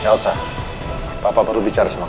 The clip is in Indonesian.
elsa papa perlu bicara sama kamu